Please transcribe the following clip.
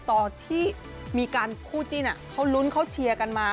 ตอนที่มีการคู่จิ้นเขาลุ้นเขาเชียร์กันมา